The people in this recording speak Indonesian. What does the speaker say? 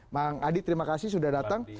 bang adi terima kasih sudah datang